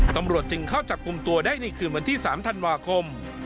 ตำรวจจึงเข้าจับกลุ่มตัวได้ในคืนวันที่๓ธันวาคม